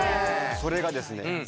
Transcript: それがですね